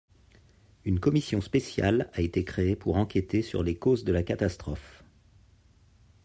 Une commission spéciale a été créée pour enquêter sur les causes de la catastrophe.